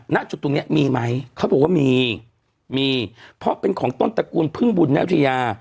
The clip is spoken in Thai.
ณจุดตรงเนี้ยมีไหมเขาบอกว่ามีมีเพราะเป็นของต้นตระกูลพึ่งบุญนริยา